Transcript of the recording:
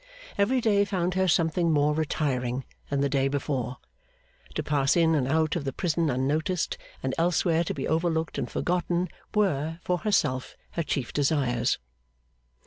Every day found her something more retiring than the day before. To pass in and out of the prison unnoticed, and elsewhere to be overlooked and forgotten, were, for herself, her chief desires.